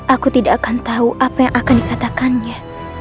aku tidak akan tahu apa yang akan dikatakannya